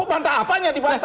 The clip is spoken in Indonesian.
berakbanta apanya dibantah